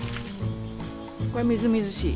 これみずみずしい。